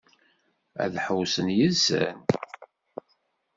Ad ḥewwsent yid-sen?